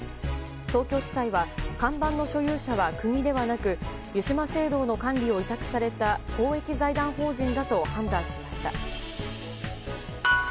東京地裁は看板の所有者は国ではなく湯島聖堂の管理を委託された公益財団法人だと判断しました。